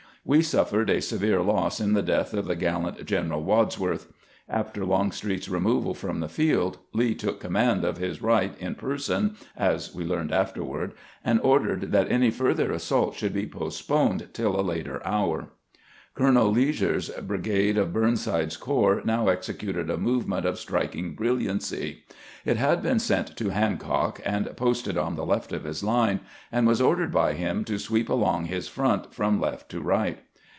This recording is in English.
We suffered a severe loss in the death of the gallant General "Wadsworth. After Longstreet's re moval fronJ|the field, Lee took command of his right in person, as we learned afterward, and ordered that any further assault should be postponed till a later hour. Colonel Leasure's brigade of Burnside's corps now executed a movement of striking brilliancy. It had been sent to Hancock, and posted on the left of his line, and was ordered by him to sweep along his front from left to right.